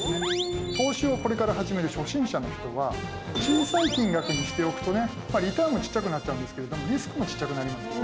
投資をこれから始める初心者の人は小さい金額にしておくとねリターンもちっちゃくなっちゃうんですけどリスクもちっちゃくなりますよね。